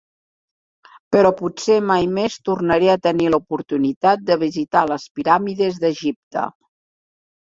Però potser mai més tornaré a tenir l'oportunitat de visitar les piràmides d'Egipte.